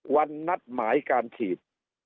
นัดหมายการฉีด